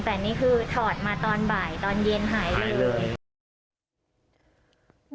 แต่นี่คือถอดมาตอนบ่ายตอนเย็นหายไปเลย